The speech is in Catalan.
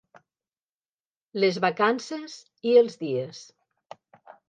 Les vacances i els dies